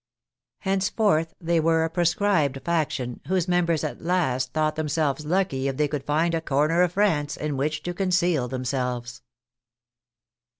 Henceforth they were a proscribed faction, whose members at last thought themselves lucky if they could find a comer of France in which to conceal themselves.